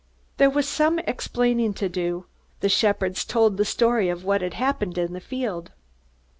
There was some explaining to do. The shepherds told the story of what had happened in the field.